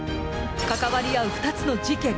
関わり合う２つの事件